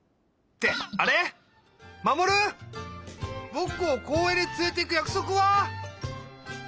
ぼくをこうえんにつれていくやくそくは？